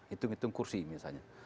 hitung hitung kursi misalnya